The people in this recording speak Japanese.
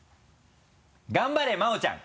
頑張れ真央ちゃん！